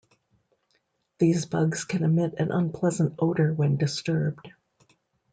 These bugs can emit an unpleasant odor when disturbed.